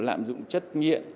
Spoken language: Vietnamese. lạm dụng chất nghiện